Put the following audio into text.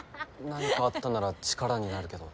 何かあったなら力になるけど。